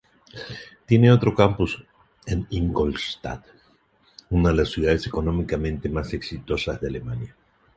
Tiene otro campus en Ingolstadt, una de las ciudades económicamente más exitosas de Alemania.